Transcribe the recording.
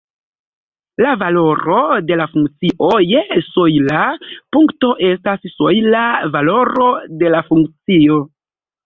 La valoro de la funkcio je sojla punkto estas sojla valoro de la funkcio.